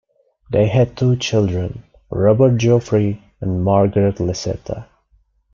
They had two children, Robert Geoffrey and Margaret Lesetta.